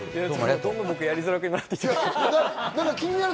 どんどんやりづらくなってきましたね。